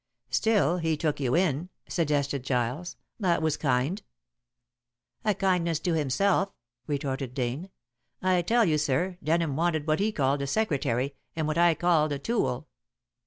"Still, he took you in," suggested Giles, "that was kind." "A kindness to himself," retorted Dane. "I tell you, sir, Denham wanted what he called a secretary and what I called a tool.